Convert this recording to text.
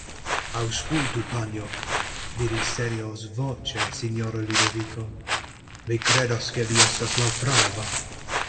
Aŭskultu, panjo, diris seriozvoĉe sinjorino Ludoviko; mi kredas ke vi estas malprava.